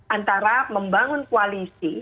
antara membangun koalisi